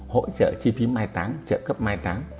hỗ trợ chi phí mai táng trợ cấp mai táng